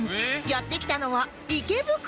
やって来たのは池袋